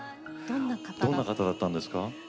どんな方だったんですか。